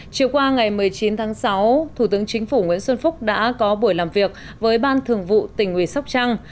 chiều qua ngày một mươi chín tháng sáu thủ tướng chính phủ nguyễn xuân phúc đã có buổi làm việc với ban thường vụ tỉnh ủy sóc trăng